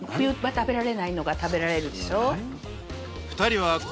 食べられないのが食べられるでしょう？